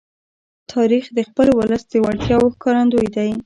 تاریخ د خپل ولس د وړتیاو ښکارندوی دی.